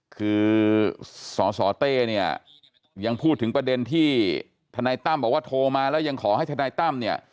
คือสสเต้เนี่ยยังพูดถึงประเด็นที่ทนายตั้มบอกว่าโทรมาแล้วยังขอให้ทนายตั้มเนี่ย